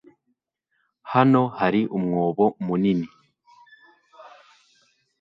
Hano hari umwobo mu nini